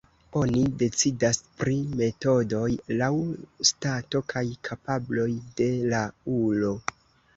Oni decidas pri metodoj laŭ stato kaj kapabloj de la ulo.